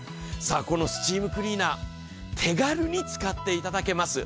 このスチームクリーナー、手軽に使っていただけます。